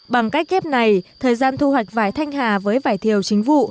bằng cách ghép này thời gian thu hoạch vải thanh hà với vải thiều chính vụ